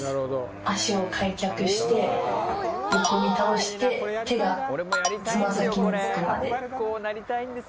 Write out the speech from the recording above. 脚を開脚して横に倒して手がつま先に着くまで。